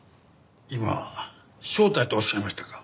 今招待とおっしゃいましたか？